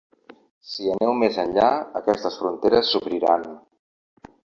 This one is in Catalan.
Si aneu més enllà, aquestes fronteres s’obriran.